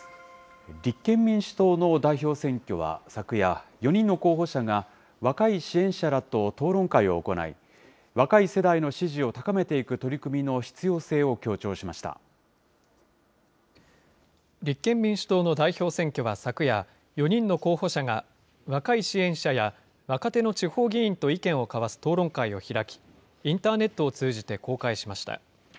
立憲民主党の代表選挙は、昨夜、４人の候補者が若い支援者らと討論会を行い、若い世代の支持を高めていく取り組みの必要性を強調立憲民主党の代表選挙は昨夜、４人の候補者が若い支援者や、若手の地方議員と意見を交わす討論会を開き、インターネットを通じて公開しました。